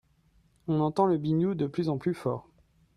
On entend le biniou de plus en plus fort.